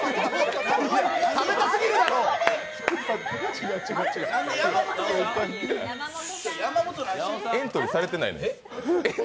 違う、違うエントリーされてないのよ。